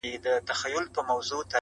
• چي قاتِل مي د رڼا تر داره یو سم..